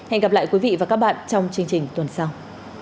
hẹn gặp lại quý vị và các bạn trong chương trình tuần sau